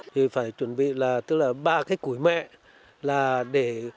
thì phải chuẩn bị là tức là ba cái củi mẹ là để